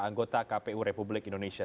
anggota kpu republik indonesia